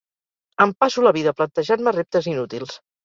Em passo la vida plantejant-me reptes inútils.